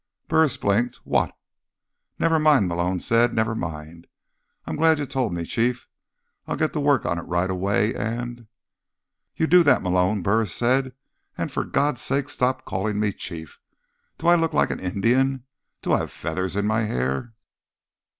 Burris blinked. "What?" "Never mind," Malone said. "Never mind. I'm glad you told me, Chief. I'll get to work on it right away, and—" "You do that, Malone," Burris said. "And for God's sake stop calling me Chief! Do I look like an Indian? Do I have feathers in my hair?"